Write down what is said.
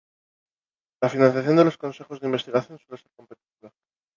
La financiación de los consejos de investigación suele ser competitiva.